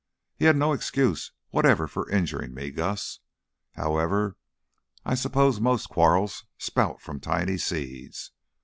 He had no excuse whatever for injuring me, Gus. However, I suppose most quarrels sprout from tiny seeds.